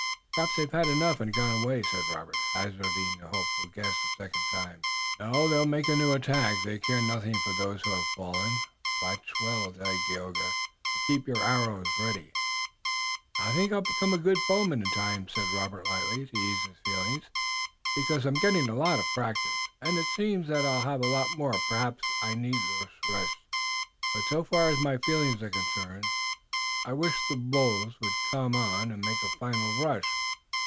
"Perhaps they've had enough and have gone away," said Robert, hazarding the hopeful guess a second time. "No. They will make a new attack. They care nothing for those that have fallen. Watch well, Dagaeoga, and keep your arrows ready." "I think I'll become a good bowman in time," said Robert lightly, to ease his feelings, "because I'm getting a lot of practice, and it seems that I'll have a lot more. Perhaps I need this rest, but, so far as my feelings are concerned, I wish the wolves would come on and make a final rush.